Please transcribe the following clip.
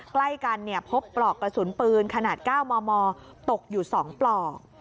ใกล้กันพบปลอกกระสุนปืนขนาด๙มมตกอยู่๒ปลอก